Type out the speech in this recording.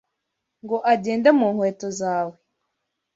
ngo agende mu nkweto zawe